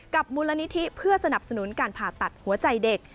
มูลนิธิเพื่อสนับสนุนการผ่าตัดหัวใจเด็ก